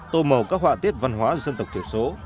tô màu các họa tiết văn hóa dân tộc thiểu số